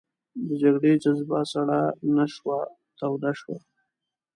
د جګړې جذبه سړه نه شوه توده شوه.